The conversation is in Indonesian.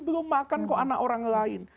belum makan kok anak orang lain